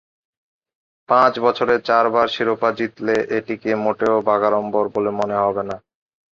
পাঁচ বছরে চারবার শিরোপা জিতলে এটিকে মোটেও বাগাড়ম্বর বলে মনে হবে না।